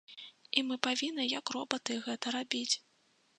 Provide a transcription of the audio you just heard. І мы павінны як робаты гэта рабіць.